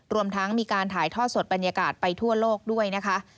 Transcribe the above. รวมทั้งมีการถ่ายทอดสดบรรยากาศไปทั่วโลกด้วยนะคะ